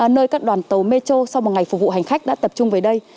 nơi các đoàn tàu metro sau một ngày phục vụ hành khách đã tập trung về đây